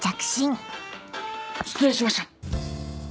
失礼しました！